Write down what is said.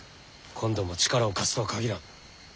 今度も力を貸すとは限らん。